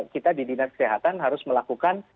kita di dinas kesehatan harus melakukan